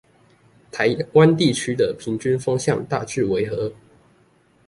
台灣地區的平均風向大致為何？